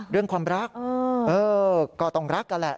เรื่องความรักก็ต้องรักกันแหละ